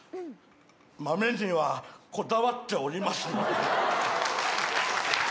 豆にはこだわっております。